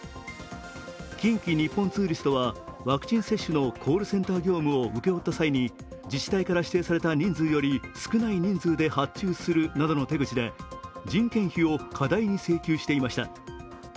近畿日本ツーリストはワクチン接種のコールセンター業務を請け負った際に自治体から指定された人数より少ない人数で発注するなどの手口で人件費を過大に請求していました。